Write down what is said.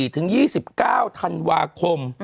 ถึง๒๙ธันวาคม